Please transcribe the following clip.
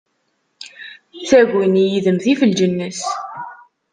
Taguni yid-m tif lǧennet.